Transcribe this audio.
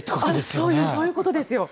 そういうことですよ。